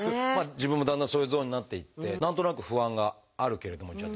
自分もだんだんそういうゾーンになっていって何となく不安があるけれどもじゃ